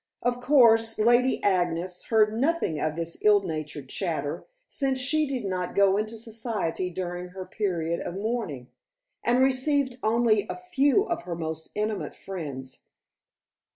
Of course, Lady Agnes heard nothing of this ill natured chatter, since she did not go into society during her period of mourning, and received only a few of her most intimate friends.